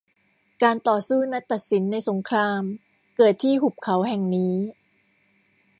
การต่อสู้นัดตัดสินในสงครามเกิดที่หุบเขาแห่งนี้